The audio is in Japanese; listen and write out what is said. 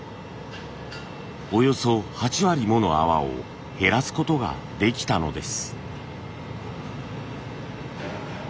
およそ８割もの泡を減らすことができたのです。